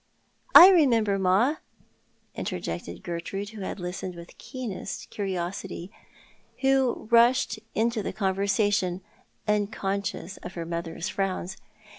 "I remember, ma," interjected Gertrude, who had listened with keenest curiosity, and who rushed into the conver satioii, unconscious of her mother's frowns.